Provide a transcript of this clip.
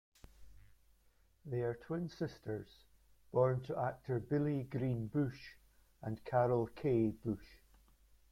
They are twin sisters, born to actor Billy "Green" Bush and Carole Kay Bush.